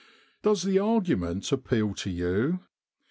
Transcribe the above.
Does the argument appeal to you